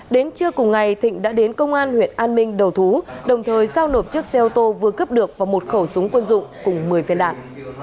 đến trưa cùng ngày thỉnh đã đến công an huyện an minh đầu thú đồng thời sao nộp chiếc xe ô tô vừa cấp được vào một khẩu súng quân dụng cùng một mươi phiên đạn